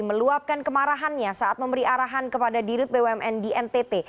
meluapkan kemarahannya saat memberi arahan kepada dirut bumn di ntt